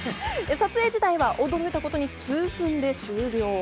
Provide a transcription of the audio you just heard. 撮影自体は驚いたことに数分で終了。